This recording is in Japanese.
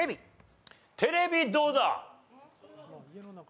テレビどうだ？